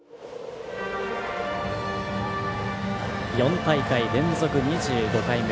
４大会連続２５回目。